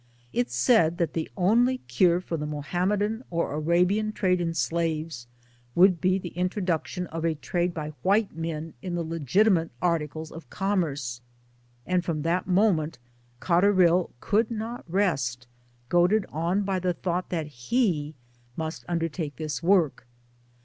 It said that the only cure for the Mahometan or Arabian trade in slaves would 1 be the introduction of a trade by white men in the legitimate articles of commerce ; and from that moment Cotterill could not rest, goaded on by the thought that he must undertake this work.